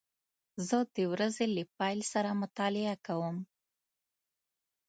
زه د ورځې له پیل سره مطالعه کوم.